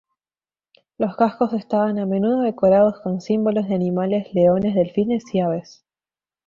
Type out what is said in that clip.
Los cascos estaban a menudo decorados con símbolos de animales, leones, delfines y aves.